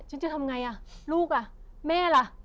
ฉันจะทำยังไงลูกแม่ล่ะ